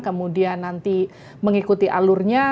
kemudian nanti mengikuti alurnya